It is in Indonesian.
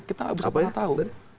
kita bisa pernah tahu